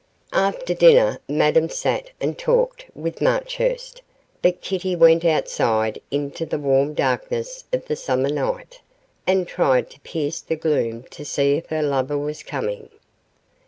After dinner Madame sat and talked with Marchurst, but Kitty went outside into the warm darkness of the summer night, and tried to pierce the gloom to see if her lover was coming.